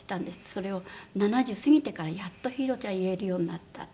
それを７０過ぎてからやっと日色ちゃん言えるようになったって。